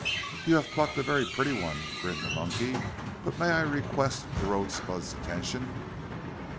"You have plucked a very pretty one," grinned the monkey; "but may I request the rosebud's attention?"